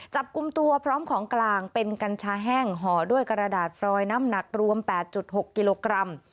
จับกลุ่มตัวพร้อมของกลางเป็นกัญชาแห้งห่อด้วยกระดาษฟรอยน้ำหนักรวม๘๖กิโลกรัม